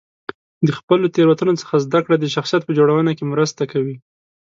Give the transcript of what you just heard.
د خپلو تېروتنو څخه زده کړه د شخصیت په جوړونه کې مرسته کوي.